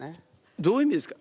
どういう意味ですか？